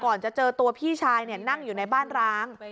ก่อนจะเจอตัวพี่ชายเนี่ยนั่งอยู่ในบ้านร้าง